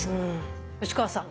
吉川さん